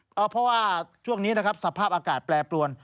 เพราะว่าช่วงนี้นะครับสภาพอากาศแปรปรวน